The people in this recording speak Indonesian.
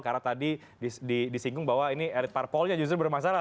karena tadi disinggung bahwa ini elit parpolnya justru bermasalah